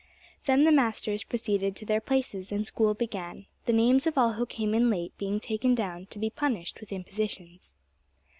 Then the masters proceeded to their places, and school began, the names of all who came in late being taken down to be punished with impositions.